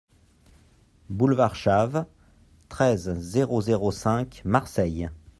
Boulevard Chave, treize, zéro zéro cinq Marseille